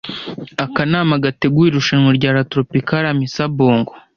Akanama gategura irushanwa rya ‘La Tropicale Amissa Bongo’